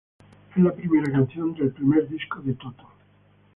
Es la primera canción del primer disco de Toto.